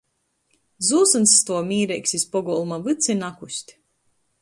Zūsyns stuov mīreigs iz pogolma vyds i nakust.